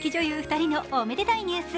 ２人のおめでたいニュース。